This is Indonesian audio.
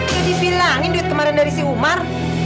dia dibilangin duit kemarin dari si umar